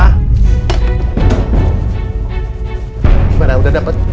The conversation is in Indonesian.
gimana udah dapet